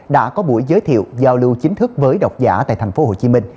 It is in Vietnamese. đã có buổi giới thiệu giao lưu chính thức với đọc giả tại tp hcm